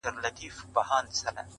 • سړي وویل وراره دي حکمران دئ,